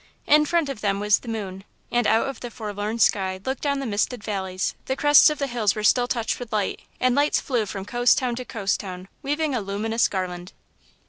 In front of them was the moon, and out of the forlorn sky looked down the misted valleys; the crests of the hills were still touched with light, and lights flew from coast town to coast town, weaving a luminous garland.